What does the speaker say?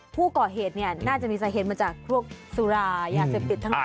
ผู้เกาะเหตุน่าจะมีสาเหตุมันจะพวกสุรายาเสบติดทั้งหมดแล้ว